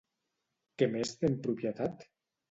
Què més té en propietat?